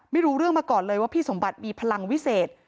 ไม่รู้เรื่องมาก่อนเลยว่าพี่สมบัติมีพลังวิเศษ